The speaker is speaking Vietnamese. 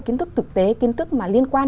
kiến thức thực tế kiến thức mà liên quan